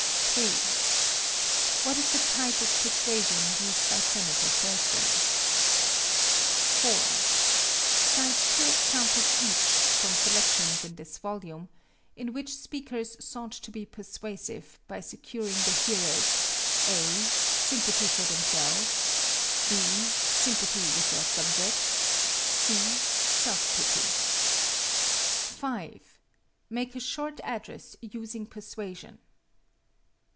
3. What is the type of persuasion used by Senator Thurston (page 50)? 4. Cite two examples each, from selections in this volume, in which speakers sought to be persuasive by securing the hearers' (a) sympathy for themselves; (b) sympathy with their subjects; (c) self pity. 5. Make a short address using persuasion.